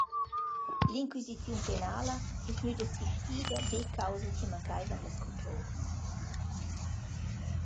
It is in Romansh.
L’inquisiziun penala es gnüda sistida be causa chi mancaivan las cumprovas.